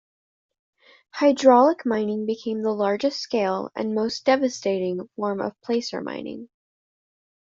Hydraulic mining became the largest-scale, and most devastating, form of placer mining.